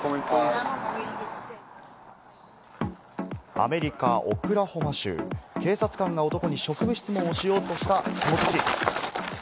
アメリカ・オクラホマ州、警察官が男に職務質問をしようとしたところ。